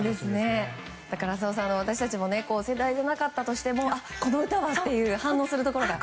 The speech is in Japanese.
だから浅尾さん、私たちも世代じゃなかったとしてもあっ、この歌はって反応するところが。